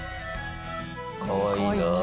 かわいいな。